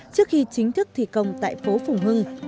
trước khi chính thức thi công tại phố phùng hưng